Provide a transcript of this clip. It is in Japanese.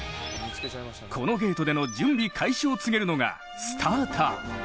このゲートでの準備開始を告げるのが、スターター。